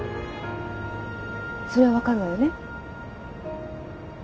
それは分かるわよね？